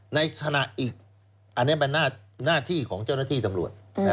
ในขณะอีกอันนี้เป็นหน้าที่ของเจ้าหน้าที่ตำรวจ